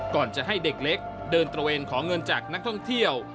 ก่อนจะให้เด็กเล็กเดินตระเวนขอเงินจากนักท่องเที่ยว